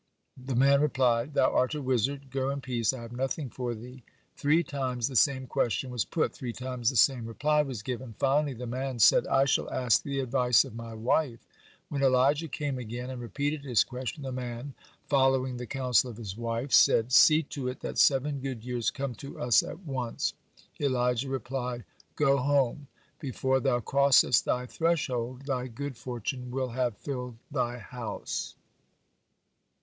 The man replied: "Thou art a wizard; go in peace, I have nothing for thee." Three times the same question was put, three times the same reply was given. Finally the man said: "I shall ask the advice of my wife." When Elijah came again, and repeated his question, the man, following the counsel of his wife, said: "See to it that seven good years come to us at once." Elijah replied: "Go home. Before thou crossest thy threshold, thy good fortune will have filled thy house."